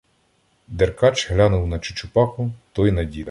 Деркач глянув на Чучупаку, той — на діда.